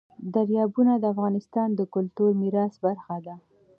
دریابونه د افغانستان د کلتوري میراث برخه ده.